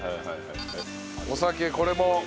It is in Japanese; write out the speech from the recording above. お酒これも。